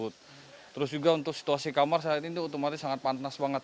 terus juga untuk situasi kamar saat ini otomatis sangat panas banget